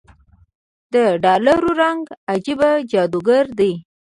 دډالرو رنګ عجيبه جادوګر دی